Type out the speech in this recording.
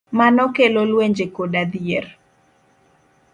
Mano kelo lwenje koda dhier